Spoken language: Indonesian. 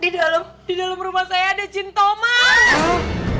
di dalam di dalam rumah saya ada jintomang